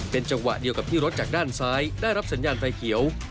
เป็นจังหวะเดียวกับที่รถจากด้านซ้ายได้รับสัญญาณไฟเขียว